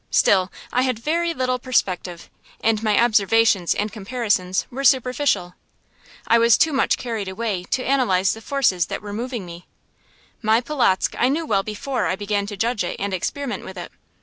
Still, I had very little perspective, and my observations and comparisons were superficial. I was too much carried away to analyze the forces that were moving me. My Polotzk I knew well before I began to judge it and experiment with it.